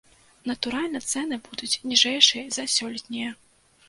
Натуральна, цэны будуць ніжэйшыя за сёлетнія.